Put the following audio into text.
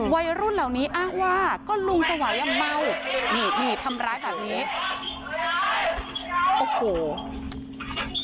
วัยรุ่นเหล่านี้อ้างว่าก็ลุงสวัยเมานี่ทำร้ายแบบนี้